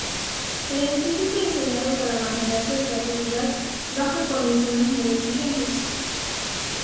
El edificio está diseñado para mantener su estabilidad bajo condiciones muy exigentes.